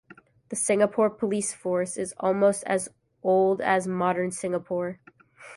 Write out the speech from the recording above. The Singapore Police Force is almost as old as modern Singapore.